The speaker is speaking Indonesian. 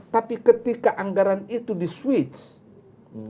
tapi ketika anggaran itu diswitch